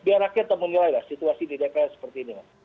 biar rakyat menilai lah situasi di dpr seperti ini mas